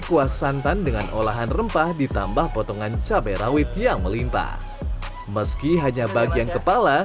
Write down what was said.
kuah santan dengan olahan rempah ditambah potongan cabai rawit yang melimpa meski hanya bagian kepala